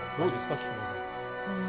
菊間さん。